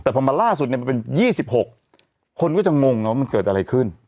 แต่พอมาล่าสุดเนี่ยมันเป็น๒๖คนก็จะงงว่ามันเกิดอะไรขึ้น